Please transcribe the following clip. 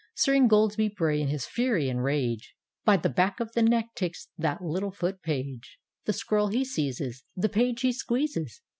" Sir Ingoldsby Bray in his fury and rage, By the back of the neck takes that little Foot page; The scroll he seizes, The page he squeezes.